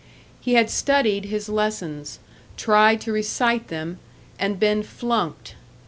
He had studied his lessons, tried to recite them, and been "flunked."